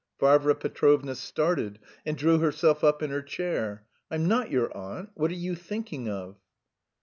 Varvara Petrovna started, and drew herself up in her chair. "I'm not your aunt. What are you thinking of?"